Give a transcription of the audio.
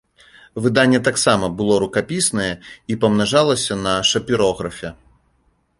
Выданне таксама было рукапіснае і памнажалася на шапірографе.